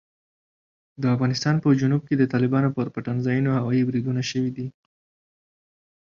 د افغانستان په جنوب کې د طالبانو پر پټنځایونو هوايي بریدونه شوي دي.